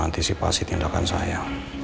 udah selesai sekolahnya